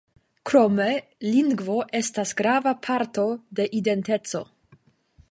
Krome, lingvo estas grava parto de identeco.